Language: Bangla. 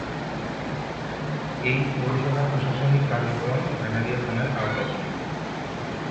এ পৌরসভার প্রশাসনিক কার্যক্রম ভান্ডারিয়া থানার আওতাধীন।